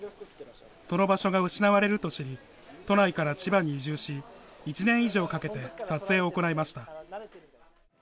その場所が失われると知り、都内から千葉に移住し、１年以上かけて撮影を行いました。